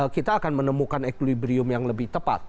kita akan menemukan equilibrium yang lebih tepat